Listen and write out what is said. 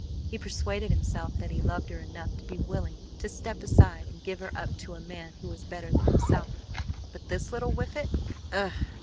He persuaded himself that he loved her enough to be willing to step aside and give her up to a man who was better than himself but this little whiffet ugh!